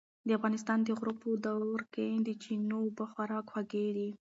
د افغانستان د غرو په درو کې د چینو اوبه خورا خوږې دي.